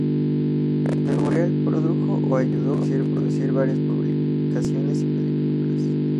Memorial produjo o ayudó a producir varias publicaciones y películas.